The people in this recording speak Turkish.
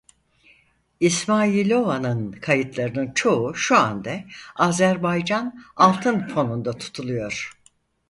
İsmayilova'nın kayıtlarının çoğu şu anda Azerbaycan Altın Fonu'nda tutuluyor.